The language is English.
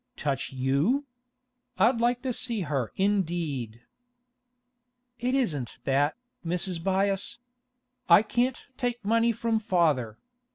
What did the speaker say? Touch you? I'd like to see her indeed.' 'It isn't that, Mrs. Byass. I can't take money from father.